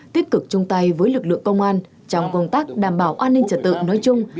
tích cực chung tay với lực lượng công an trong công tác đảm bảo an ninh trật tự nói chung